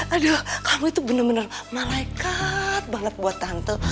aduh kamu tuh bener bener malaikat banget buat tante